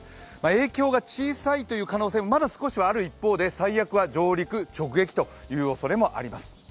影響が小さいという可能性もまだ少しはある一方で、最悪は上陸・直撃というおそれもあります